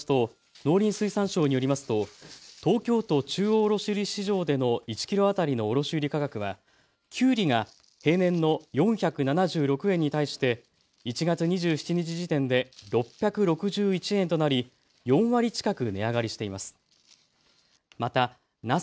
農林水産省によりますと東京都中央卸売市場での１キロ当たりの卸売価格はきゅうりが平年の４７６円に対して１月２７日時点で６６１円となり４割近く値上がりしています。